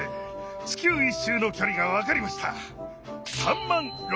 地球１周の距離が分かりました！